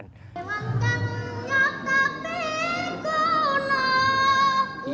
pangan karupan cokang janik